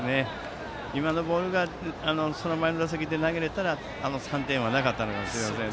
今のボールをその前の打席で投げられたらあの３点はなかったかもしれません。